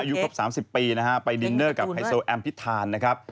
อายุครบ๓๐ปีนะฮะไปดินเนอร์กับไฮโซแอมพิธานนะครับ